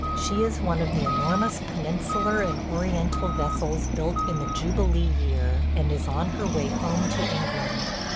She is one of the enormous Peninsular and Oriental vessels built in the Jubilee year, and is on her way home to England.